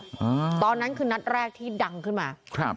จากนั้นคือนัดแรกที่ดังขึ้นมา